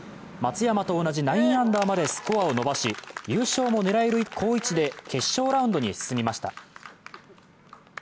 松山と同じ９アンダーまでスコアを伸ばし優勝も狙える好位置で決勝ラウンドに進みました。